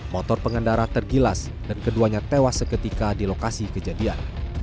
motor pengendara tergilas dan keduanya tewas seketika di lokasi kejadian